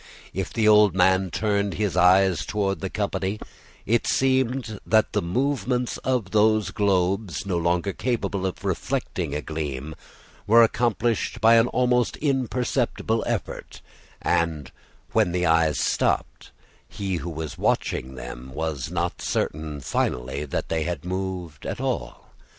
If the old man turned his eyes toward the company, it seemed that the movements of those globes, no longer capable of reflecting a gleam, were accomplished by an almost imperceptible effort; and, when the eyes stopped, he who was watching them was not certain finally that they had moved at all.